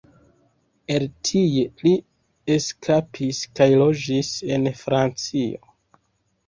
El tie li eskapis kaj loĝis en Francio.